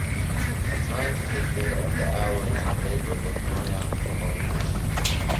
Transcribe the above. A time-taker of the hours of labor was wrung from our rulers.